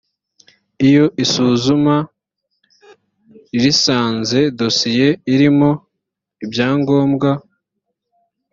iyo isuzuma risanze dosiye irimo ibyangombwa